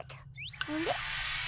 あれ？